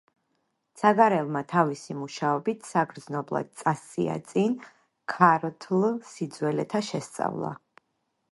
ცაგარელმა თავისი მუშაობით საგრძნობლად წასწია წინ ქართლ სიძველეთა შესწავლა.